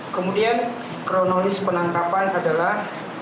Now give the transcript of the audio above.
kemudian kronolis penantapan adalah